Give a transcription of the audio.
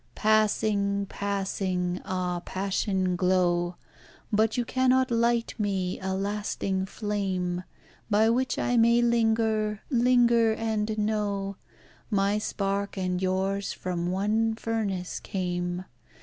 Passing, passing ah! passion glow; But you cannot light me a lasting flame, By which I may linger, linger and know My spark and yours from one furnace came.